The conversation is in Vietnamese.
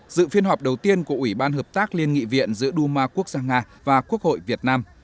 dự phiên họp đầu tiên của ủy ban hợp tác liên nghị viện giữa duma quốc gia nga và quốc hội việt nam